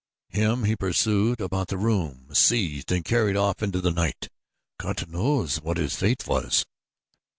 Him he pursued about the room, seized and carried off into the night. Gott knows what his fate was."